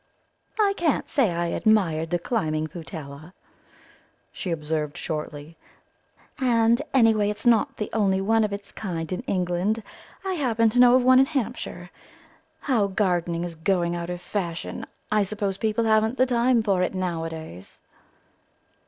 "I can't say I admire the climbing putella," she observed shortly, "and anyway it's not the only one of its kind in England; I happen to know of one in Hampshire. How gardening is going out of fashion; I suppose people haven't the time for it nowadays."